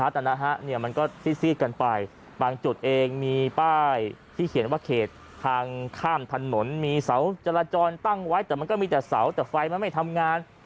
ทางข้ามถนนมีเสาจราจรตั้งไว้แต่มันก็มีแต่เสาแต่ไฟมันไม่ทำงาน